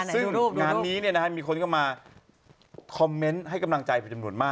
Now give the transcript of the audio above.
สิบที่นี่นะครับทำไมมาเจอเจอรหัย